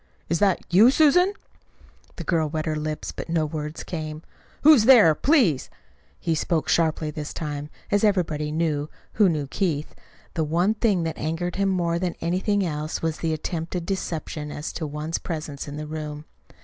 "Is that you, Susan?" The girl wet her lips, but no words came. "Who's there, please?" He spoke sharply this time. As everybody knew who knew Keith the one thing that angered him more than anything else was the attempted deception as to one's presence in the room.